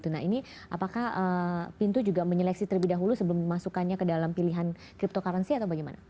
nah ini apakah pintu juga menyeleksi terlebih dahulu sebelum memasukkannya ke dalam pilihan cryptocurrency atau bagaimana